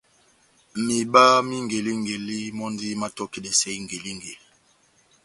Mihiba má ingelingeli mɔ́ndi mátɔkidɛsɛ ingelingeli.